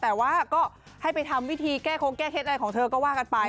แต่ว่าก็ให้ไปทำวิธีแก้โครงแก้เคล็ดอะไรของเธอก็ว่ากันไป